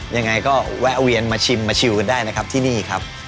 ยังไงก็แวะเวียนมาชิมมาชิวกันได้นะครับที่นี่ครับ